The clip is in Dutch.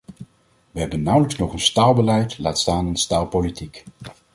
We hebben nauwelijks nog een staalbeleid, laat staan een staalpolitiek.